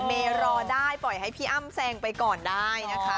เมย์รอได้ปล่อยให้พี่อ้ำแซงไปก่อนได้นะคะ